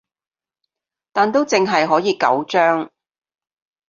但都淨係可以九張